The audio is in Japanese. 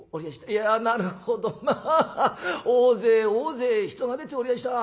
いやなるほどまあ大勢大勢人が出ておりやした。